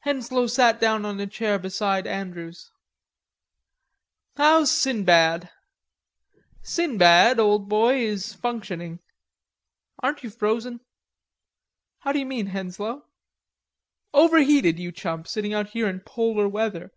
Henslowe sat down on a chair beside Andrews. "How's Sinbad?" "Sinbad, old boy, is functioning.... Aren't you frozen?" "How do you mean, Henslowe?" "Overheated, you chump, sitting out here in polar weather."